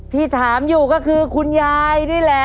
ที่ถามอยู่ก็คือคุณยายนี่แหละ